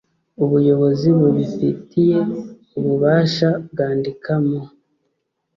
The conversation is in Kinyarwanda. ubuyobozi bubifitiye ububasha bwandika mu